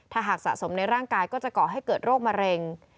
ถ้าหากสะสมในร่างกายก็จะก่อให้เกิดโรคมะเร็ง